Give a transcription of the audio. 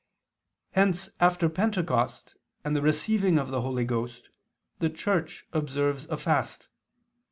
Hence after Pentecost and the receiving of the Holy Ghost the Church observes a fast.